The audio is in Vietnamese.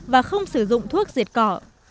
và không sử dụng thuốc diệt cỏ